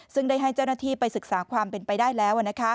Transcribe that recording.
ซึ่งได้ให้เจ้าหน้าที่ไปศึกษาความเป็นไปได้แล้ว